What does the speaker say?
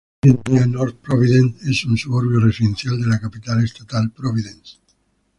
Hoy en día, North Providence es un suburbio residencial de la capital estatal, Providence.